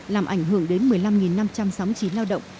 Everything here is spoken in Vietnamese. làm ảnh hưởng đến một mươi năm năm trăm sáu mươi chín lao động